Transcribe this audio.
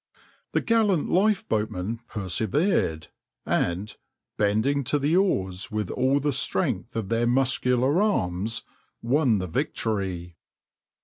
The gallant lifeboatmen persevered, and, bending to the oars with all the strength of their muscular arms, won the victory.